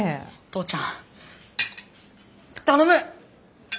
父ちゃん頼む！